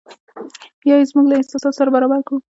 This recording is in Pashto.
یا یې زموږ له احساساتو سره برابر کړو.